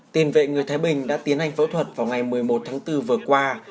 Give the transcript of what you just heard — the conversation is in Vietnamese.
tiền vệ người thái bình đã tiến hành phẫu thuật vào ngày một mươi một tháng bốn vừa qua